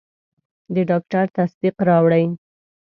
د ډاکټر تصدیق راوړئ.